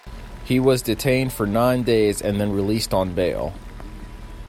He was detained for nine days and then released on bail.